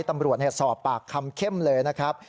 ตำรวจสอบปากคำเข้มเลยนะครับ